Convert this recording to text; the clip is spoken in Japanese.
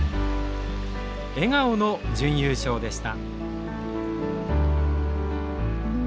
笑顔の準優勝でした。